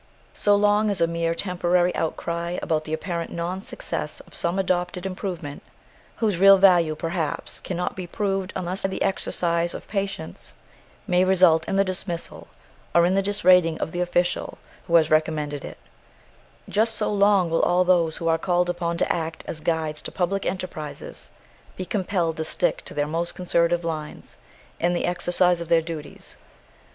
So long as a mere temporary outcry about the apparent non success of some adopted improvement whose real value perhaps cannot be proved unless by the exercise of patience may result in the dismissal or in the disrating of the official who has recommended it, just so long will all those who are called upon to act as guides to public enterprises be compelled to stick to the most conservative lines in the exercise of their duties.